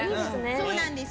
そうなんです